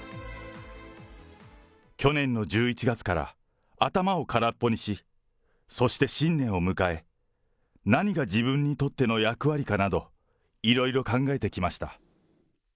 去年の１１月から、頭を空っぽにし、そして新年を迎え、何が自分にとっての役割かなど、いろいろ考えてきました。